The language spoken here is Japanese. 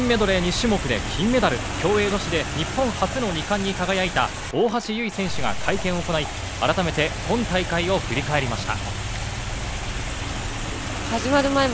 種目で金メダル、競泳女子で日本初の２冠に輝いた大橋悠依選手が会見を行い、改めて、今大会を振り返りました。